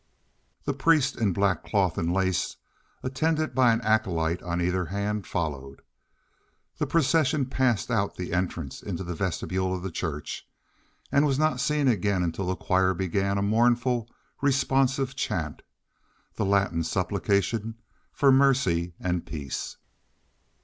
The priest, in black cloth and lace, attended by an acolyte on either hand, followed. The procession passed out the entrance into the vestibule of the church, and was not seen again until the choir began a mournful, responsive chant, the Latin supplication for mercy and peace.